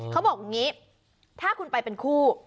เขาบอกอย่างนี้ถ้าคุณไปเป็นคู่